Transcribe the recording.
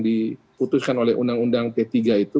diputuskan oleh undang undang p tiga itu